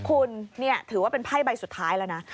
คุณนี่ถือว่าเป็นไพ่ใบสุดท้ายแล้วนะ